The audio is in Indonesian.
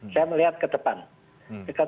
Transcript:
saya melihat ke depan